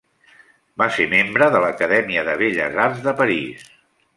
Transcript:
Va ser membre de l'Acadèmia de Belles arts, de París.